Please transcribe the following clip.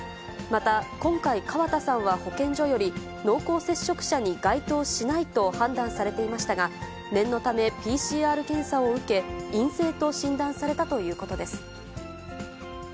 また今回、川田さんは保健所より、濃厚接触者に該当しないと判断されていましたが、念のためＰＣＲ検査を受け、陰性と診断されたということです。